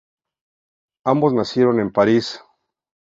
Ambos nacieron en París.